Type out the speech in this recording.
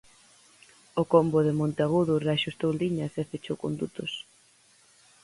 O combo de Monteagudo reaxustou liñas e fechou condutos.